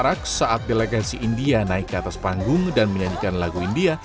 marak saat delegasi india naik ke atas panggung dan menyanyikan lagu india